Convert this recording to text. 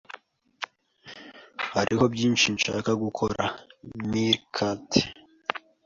Hariho byinshi nshaka gukora. (meerkat)